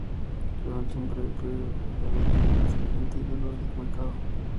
Durante un breve período fue la berlina más potente y veloz del mercado.